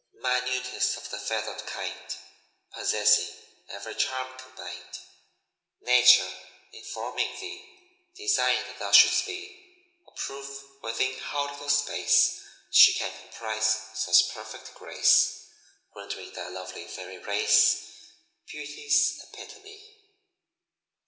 "Minutest of the feathered kind, Possessing every charm combined, Nature, in forming thee, designed That thou shouldst be "A proof within how little space She can comprise such perfect grace, Rendering thy lovely fairy race Beauty's epitome."